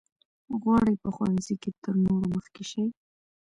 غواړي په ښوونځي کې تر نورو مخکې شي.